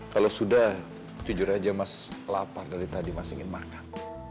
kalau sudah jujur aja mas lapar dari tadi mas ingin makan